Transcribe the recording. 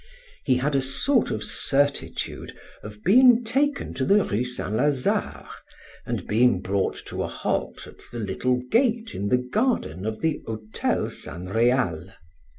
He had a sort of certitude of being taken to the Rue Saint Lazare, and being brought to a halt at the little gate in the garden of the Hotel San Real.